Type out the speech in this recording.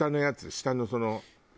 下のその。